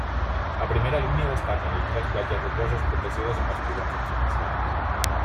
A primera línia destaquen tres platges rocoses protegides amb espigons artificials.